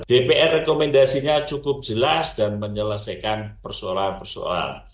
dpr rekomendasinya cukup jelas dan menyelesaikan persoalan persoalan